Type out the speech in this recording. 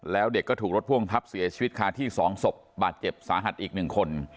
แล้วเด็กก็ถูกรถพ่วงทับเสียชีวิตคาที่๒ศพบาดเจ็บสาหัสอีก๑คน